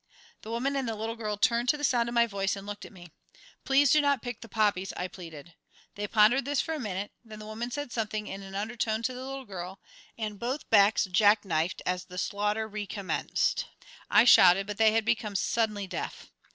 The woman and the little girl turned to the sound of my voice and looked at me. "Please do not pick the poppies," I pleaded. They pondered this for a minute; then the woman said something in an undertone to the little girl, and both backs jack knifed as the slaughter recommenced. I shouted, but they had become suddenly deaf.